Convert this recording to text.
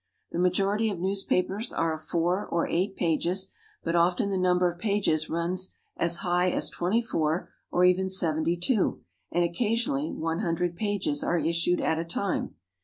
The majority of newspapers are of four or eight pages, but often the number of pages run as high as 24, or even 72, and occasionally 100 pages are issued at a time.